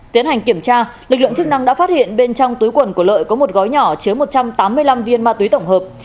tiến hành kiểm tra lực lượng chức năng đã phát hiện bên trong túi quần của lợi có một gói nhỏ chứa một trăm tám mươi năm viên ma túy tổng hợp